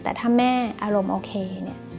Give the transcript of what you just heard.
แต่ถ้าแม่อารมณ์โอเคเนี่ย